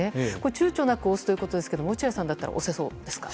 躊躇なく押すということですが落合さんでしたら押せそうですか？